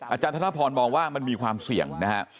อาจารย์ธนพรมองว่ามันมีความเสี่ยงนะฮะ